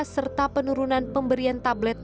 serta penurunan pemberian tablet